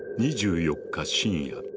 ２４日深夜。